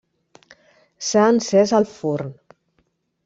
S'ha encès el forn.